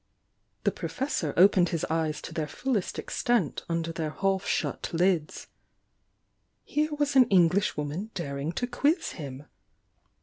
The Professor opened his eyes to their fullest ex tent under their half shut lids. Here was an Eng lishwoman daring to quiz him!